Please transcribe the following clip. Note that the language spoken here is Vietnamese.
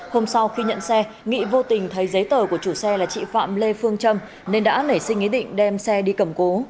hôm sau khi nhận xe nghị vô tình thấy giấy tờ của chủ xe là chị phạm lê phương trâm nên đã nảy sinh ý định đem xe đi cầm cố